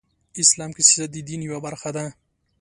اسلام کې سیاست د دین یوه برخه ده .